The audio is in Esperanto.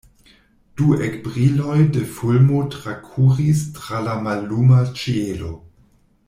Du ekbriloj de fulmo trakuris tra la malluma ĉielo.